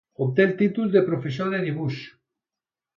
Obté el títol de Professor de dibuix.